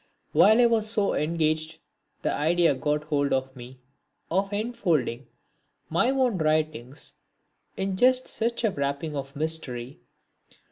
While I was so engaged, the idea got hold of me of enfolding my own writings in just such a wrapping of mystery.